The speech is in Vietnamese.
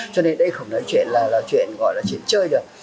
cho nên đây không nói chuyện là chuyện chơi được